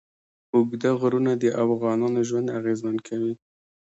اوږده غرونه د افغانانو ژوند اغېزمن کوي.